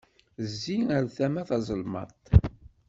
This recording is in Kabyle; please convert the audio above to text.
Zzi ar tama tazelmaḍt!